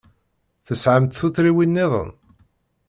Tesɛamt tuttriwin-nniḍen?